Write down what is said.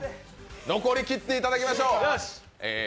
残りきっていただきましょう。